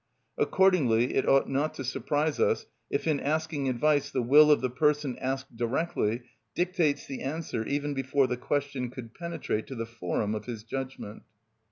Accordingly it ought not to surprise us if in asking advice the will of the person asked directly dictates the answer even before the question could penetrate to the forum of his judgment.